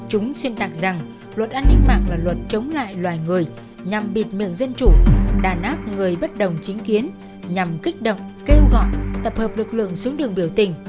chúng xuyên tạc rằng luật an ninh mạng là luật chống lại loài người nhằm bịt miệng dân chủ đàn áp người bất đồng chính kiến nhằm kích động kêu gọi tập hợp lực lượng xuống đường biểu tình